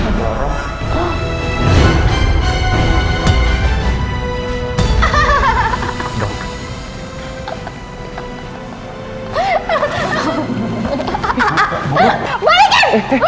kamu yang ambil perhatian aku